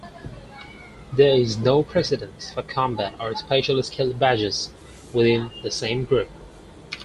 There is no precedence for combat or special skill badges within the same group.